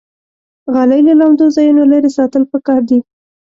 غالۍ له لمدو ځایونو لرې ساتل پکار دي.